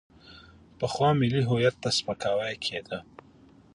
پخوا ملي هویت ته سپکاوی کېده.